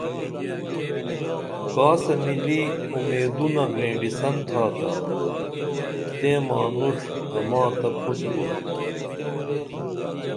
کاسہ مِلی اُمیدونہ گرینٹیسن تھا تا تیں مانُݜ اما تہ پُھس بُن